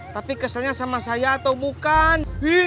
tapi keselnya sama saya atau bukan